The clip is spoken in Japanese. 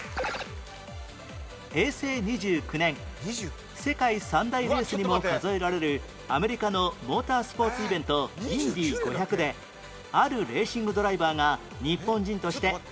平成２９年世界三大レースにも数えられるアメリカのモータースポーツイベント「インディ５００」であるレーシングドライバーが日本人として初優勝